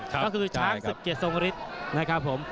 ก็คือช้างสิบเกียรติทรงฤทธิ์